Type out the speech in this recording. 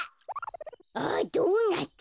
あドーナツ。